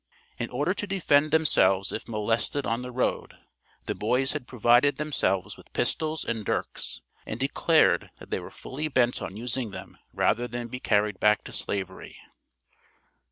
In order to defend themselves if molested on the road, the boys had provided themselves with pistols and dirks, and declared that they were fully bent on using them rather than be carried back to slavery.